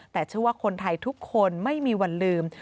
แต่เชื่อว่าคนไทยทุกคนไม่มีวันลืม